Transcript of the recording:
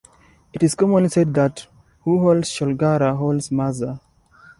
It is commonly said that "who holds Sholgara, holds Mazar".